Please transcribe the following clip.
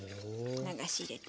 流し入れて。